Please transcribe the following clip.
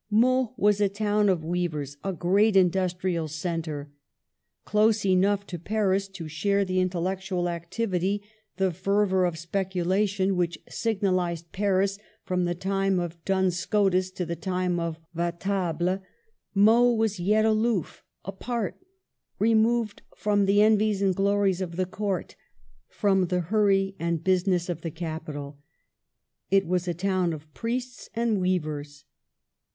Meaux was a town of weavers, a great indus trial centre. Close enough to Paris to share the intellectual activity, the fever of speculation, which signalized Paris from the time of Duns Scotus to the time of Vatable, Meaux was yet aloof, apart; removed from the envies and glories of the court, from the hurry and busi ness of the capital. It was a town of priests and weavers.